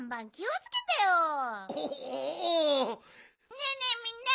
ねえねえみんな！